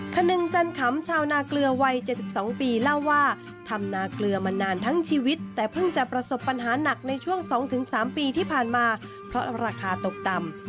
คนึงจันขำชาวนาเกลือวัย๗๒ปีเล่าว่าทำนาเกลือมานานทั้งชีวิตแต่เพิ่งจะประสบปัญหาหนักในช่วง๒๓ปีที่ผ่านมาเพราะราคาตกต่ำ